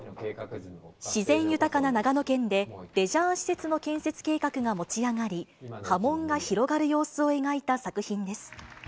自然豊かな長野県で、レジャー施設の建設計画が持ち上がり、波紋が広がる様子を描いた作品です。